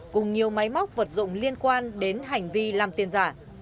cùng nhiều máy móc vật dụng liên quan đến hành vi làm tiền giả